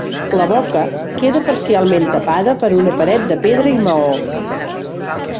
La boca queda parcialment tapada per una paret de pedra i maó.